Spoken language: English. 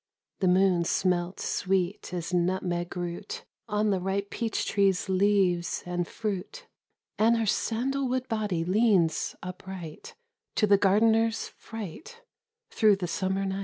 The moon smelt sweet as nutmeg root On the ripe peach trees' leaves and fruit, And her sandal wood body leans upright, To the gardener's fright, through the summer night.